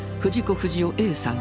不二雄さん。